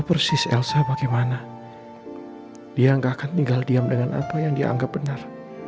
persis elsa bagaimana dia nggak akan tinggal diam dengan apa yang dia anggap benar